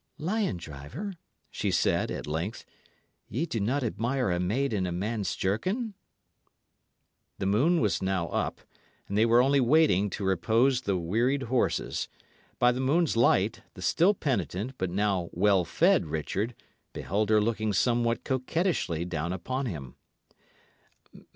"Lion driver," she said, at length, "ye do not admire a maid in a man's jerkin?" The moon was now up; and they were only waiting to repose the wearied horses. By the moon's light, the still penitent but now well fed Richard beheld her looking somewhat coquettishly down upon him.